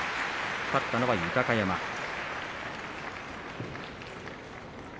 勝ったのは豊山です。